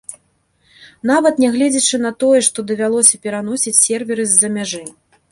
Нават нягледзячы на тое, што давялося пераносіць серверы з-за мяжы.